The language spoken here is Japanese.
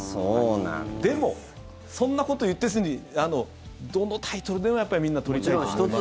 でも、そんなこと言わずにどのタイトルでもみんな取りたいと思いますよ。